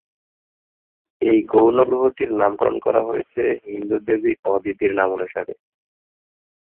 এই গৌণ গ্রহটির নামকরণ করা হয়েছে হিন্দু দেবী অদিতির নামানুসারে।